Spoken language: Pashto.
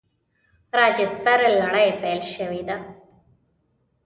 راجستر لړۍ پیل شوې ده.